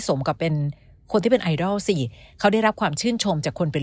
สมกับเป็นคนที่เป็นไอดอลสิเขาได้รับความชื่นชมจากคนเป็น